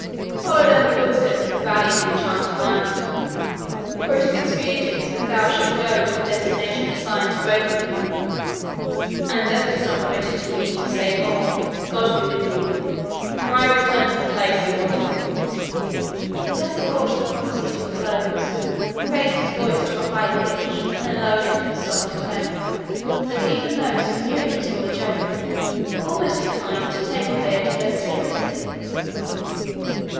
Follow then the footsteps of the valiant enchanted knight, for it is expedient that thou shouldst go to the destination assigned to both of you; and as it is not permitted to me to say more, God be with thee; for I return to that place I wot of;" and as he brought the prophecy to a close he raised his voice to a high pitch, and then lowered it to such a soft tone, that even those who knew it was all a joke were almost inclined to take what they heard seriously.